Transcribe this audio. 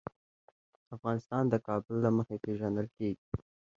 افغانستان د کابل له مخې پېژندل کېږي.